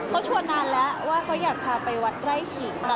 เขาชวนนานแล้วว่าเขาอยากพาไปวัดไร่ขิง